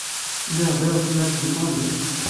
Lliɣ ad bbiɣ smanet d lkonji.